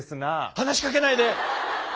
話しかけないで！なあ？